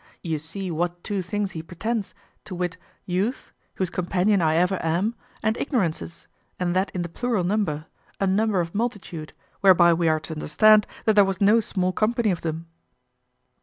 You see what two things he pretends, to wit, youth, whose companion I ever am, and ignorances, and that in the plural number, a number of multitude, whereby we are to understand that there was no small company of them.